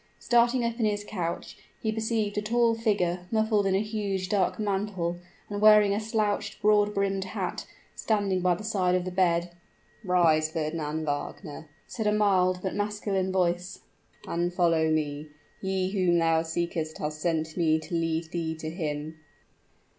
Starting up in his couch, he perceived a tall figure, muffled in a huge dark mantle, and wearing a slouched broad brimmed hat, standing by the side of the bed. "Rise, Fernand Wagner," said a mild but masculine voice, "and follow me. He whom thou seekest has sent me to lead thee to him."